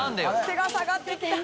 手が下がってきた。